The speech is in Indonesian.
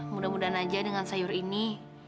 mudah mudahan aja dengan sayur ini